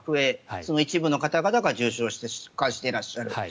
その一部の方々が重症化していらっしゃる。